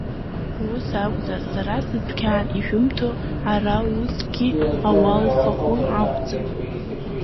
Ус акәзар, уи сара сыдәқьан ишәымҭо, ара усгьы ауалафахәы ақәӡам.